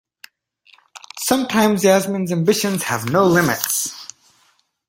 Sometimes Yasmin's ambitions have no limits.